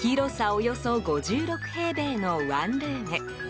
およそ５６平米のワンルーム。